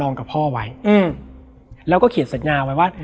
แล้วสักครั้งหนึ่งเขารู้สึกอึดอัดที่หน้าอก